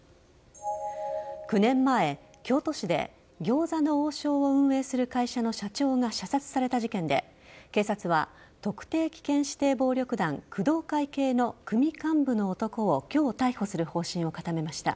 ９年前、京都市で餃子の王将を運営する会社の社長が射殺された事件で警察は特定危険指定暴力団工藤会系の組幹部の男を今日逮捕する方針を固めました。